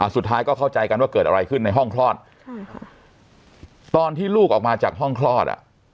สุดท้ายก็เข้าใจกันว่าเกิดอะไรขึ้นในห้องคลอดตอนที่ลูกออกมาจากห้องคลอดอ่ะ